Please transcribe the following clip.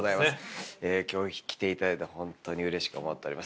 今日来ていただいてホントにうれしく思っております。